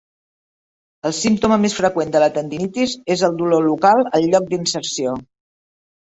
El símptoma més freqüent de la tendinitis és el dolor local al lloc d'inserció.